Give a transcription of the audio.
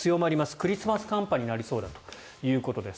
クリスマス寒波になりそうだということです。